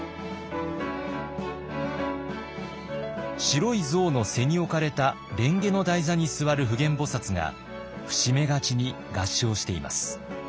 白い象の背に置かれた蓮華の台座に座る普賢菩が伏し目がちに合掌しています。